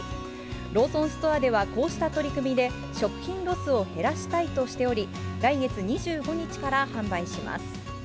ローソンストアでは、こうした取り組みで、食品ロスを減らしたいとしており、来月２５日から販売します。